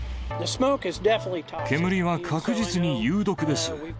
煙は確実に有毒です。